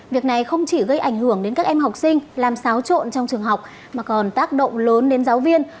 việc này không chỉ gây ảnh hưởng đến các em học sinh làm xáo trộn trong trường học mà còn tác động lớn đến giáo viên